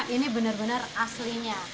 ini benar benar aslinya